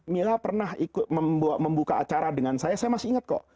mila pernah membuka acara dengan saya saya masih ingat kok